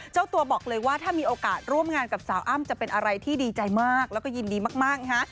เจ้าตัวบอกเลยว่าถ้ามีโอกาสร่วมงานกับสาวอ้ำจะเป็นอะไรที่ดีใจมากแล้วก็ยินดีมากนะฮะ